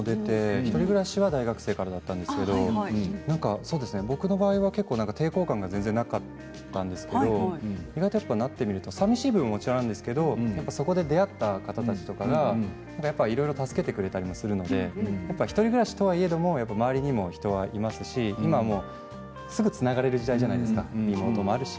１人暮らしは大学生からだったんですけど僕の場合は結構抵抗感は全然なかったんですけど意外となってみるとさみしい部分はもちろんあるんですけどそこで出会った方たちとかはいろいろ助けてくれたりもするので１人暮らしとはいえども周りにも人は、いますし今、すぐにつながれる時代じゃないですか、リモートもあるし。